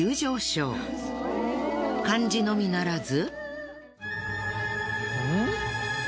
漢字のみならず。